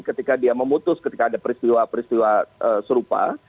ketika dia memutus ketika ada peristiwa peristiwa serupa